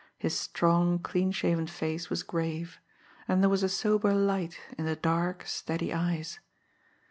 His strong, clean shaven face was grave; and there was a sober light in the dark, steady eyes.